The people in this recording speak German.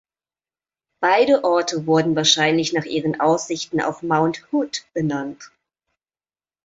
Beide Orte wurden wahrscheinlich nach ihren Aussichten auf Mount Hood benannt.